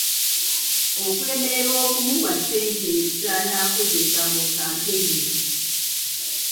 Okulemererwa okumuwa ssente zanaakozesa mu kkampeyini.